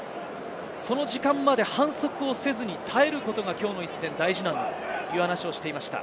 その時間まで反則をせずに耐えることが、きょうの一戦、大事なんだという話をしていました。